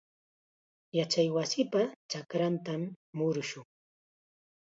Yachaywasipa chakrantam murushun.